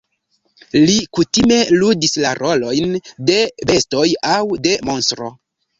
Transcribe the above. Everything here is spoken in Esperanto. Li kutime ludis la rolojn de bestoj aŭ de monstro.